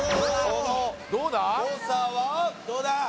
どうだ？